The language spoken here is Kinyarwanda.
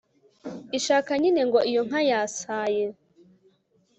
ishaka nyine ngo iyo nka yasaye